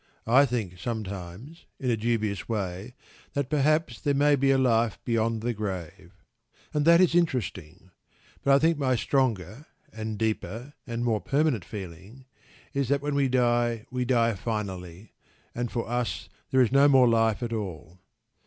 I think sometimes, in a dubious way, that perhaps there may be a life beyond the grave. And that is interesting. But I think my stronger, and deeper, and more permanent feeling is that when we die we die finally, and for us there is no more life at all.